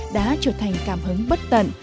đã trở thành cảm hứng bất tận